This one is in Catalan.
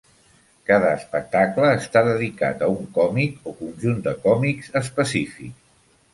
Cada espectacle està dedicat a un còmic o conjunt de còmics específic.